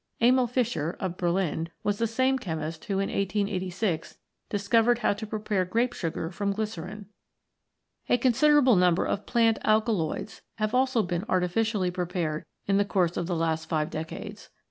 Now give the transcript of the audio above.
Emil Fischer, of Berlin, was the same chemist who in 1886 discovered how to prepare grape sugar from glycerin. A con siderable number of plant alkaloids have been also artificially prepared in the course of the last five decades.